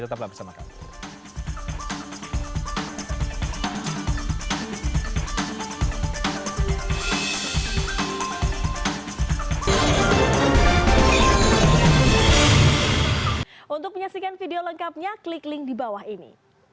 tetaplah bersama kami